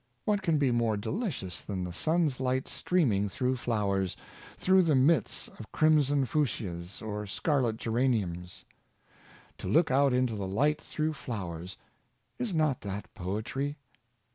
What can be more delicious than the sun's light streaming through flowers — through the midst of crim son fuchias or scarlet geraniums? To look out into the light through flowers — is not that poetry?